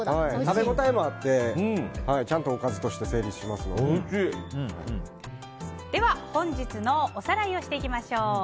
食べ応えもあってちゃんとおかずとしてでは、本日のおさらいをしていきましょう。